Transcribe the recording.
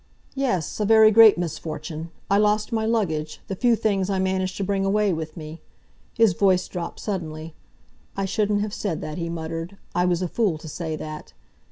"Yes, a very great misfortune! I lost my luggage, the few things I managed to bring away with me." His voice dropped suddenly. "I shouldn't have said that," he muttered. "I was a fool to say that!"